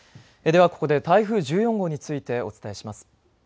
ではここで台風１４号についてお伝えします。